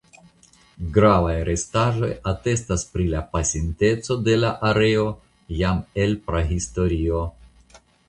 Gravaj restaĵoj atestas pri la pasinteco de la areo jam el prahistorio.